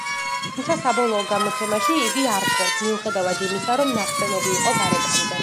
თუმცა, საბოლოო გამოცემაში იგი არ ჟღერს, მიუხედავად იმისა, რომ ნახსენები იყო გარეკანზე.